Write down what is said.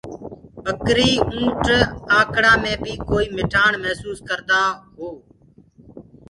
ٻڪري اُنٺ آنڪڙآ مي بي ڪوئي مٺآڻ مهسوس ڪردآ هو